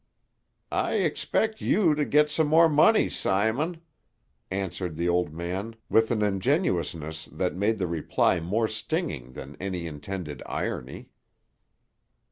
"I expect you to get some more money, Simon," answered the old man with an ingenuousness that made the reply more stinging than any intended irony.